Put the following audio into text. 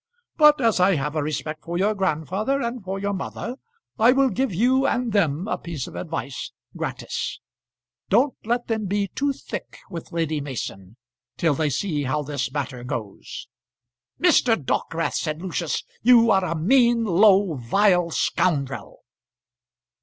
But as I have a respect for your grandfather and for your mother I will give you and them a piece of advice, gratis. Don't let them be too thick with Lady Mason till they see how this matter goes." "Mr. Dockwrath," said Lucius, "you are a mean, low, vile scoundrel."